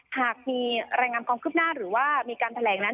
หากมีรายงานความคืบหน้าหรือว่ามีการแถลงนั้น